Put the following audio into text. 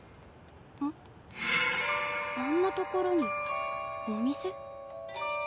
あんな所にお店？